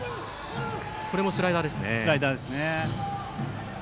これもスライダーですね。